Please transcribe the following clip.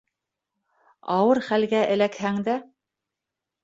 Ауыр хәлгә эләкһәң дә